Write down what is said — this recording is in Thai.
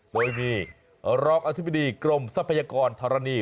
โดยมีรองอธิบดีกรมทรัพยากรธรณี